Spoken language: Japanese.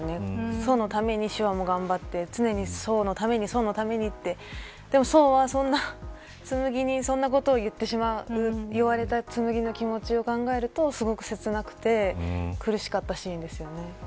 想のために手話も頑張って常に想のためにってでも想はそんな紬にそんなことを言ってしまう言われた紬の気持ちを考えるとすごくせつなくて苦しかったシーンですよね。